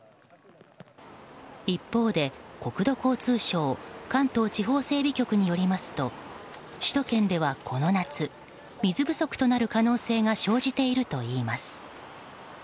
一方で、国道交通省関東地方整備局によりますと首都圏ではこの夏、水不足となる可能性が生じているといいます。